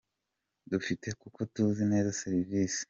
dufite kuko tuzi neza serivisi.